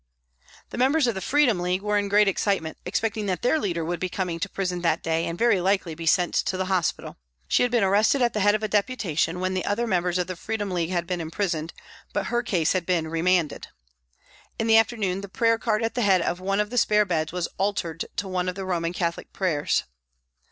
The members of the Freedom League were in great excitement, expecting that their leader would be coming to prison that day and very likely be sent to hospital. She had been arrested at the head of a deputation when the other members of the Freedom League had been imprisoned, but her case had been remanded. In the afternoon the prayer card at the head of one of the spare beds was altered to one of Roman Catholic prayers.